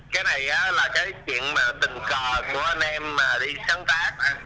cái này là cái chuyện tình cờ của anh em đi sáng tác